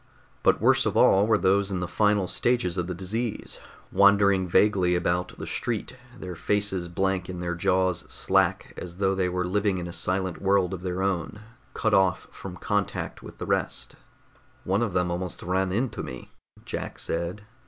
But worst of all were those in the final stages of the disease, wandering vaguely about the street, their faces blank and their jaws slack as though they were living in a silent world of their own, cut off from contact with the rest. "One of them almost ran into me," Jack said.